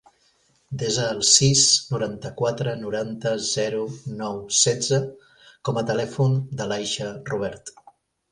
Desa el sis, noranta-quatre, noranta, zero, nou, setze com a telèfon de l'Aixa Rubert.